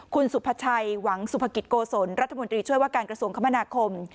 คุณสุภาชัยหวังสุภกิจโกศลรัฐมนตรีช่วยว่าการกระทรวงคมนาคม